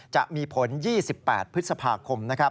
จะมีผล๒๘พฤษภาคม